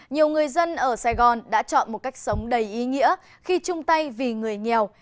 nhiều người dân ở sài gòn đã chọn một cách sống đầy ý nghĩa khi chung tay vì người nghèo